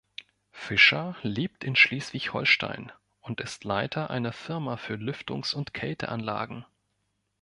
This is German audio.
Fischer lebt in Schleswig-Holstein und ist Leiter einer Firma für Lüftungs- und Kälteanlagen.